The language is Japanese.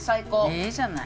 いいじゃない。